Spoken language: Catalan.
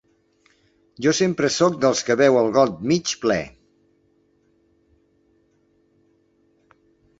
Jo sempre sóc dels que veu el got mig ple.